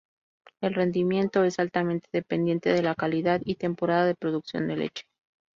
El rendimiento es altamente dependiente de la calidad y temporada de producción de leche.